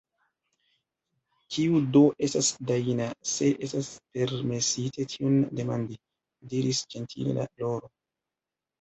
"Kiu do estas Dajna, se estas permesite tion demandi," diris ĝentile la Loro.